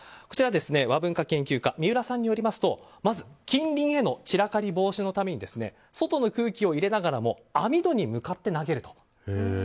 こちら和文化研究家三浦さんによりますとまず近隣への散らかり防止のために外の空気に入れながらも網戸に向かって投げると。